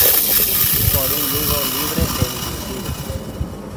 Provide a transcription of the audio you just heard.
'Por un Lugo libre e inclusivo'.